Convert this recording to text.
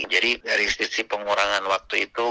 jadi dari sisi pengurangan waktu itu